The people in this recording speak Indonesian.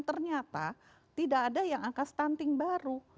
ternyata tidak ada yang angka stunting baru